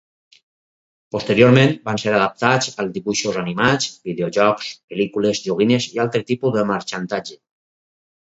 Posteriorment van ser adaptats als dibuixos animats, videojocs, pel·lícules, joguines i altre tipus de marxandatge.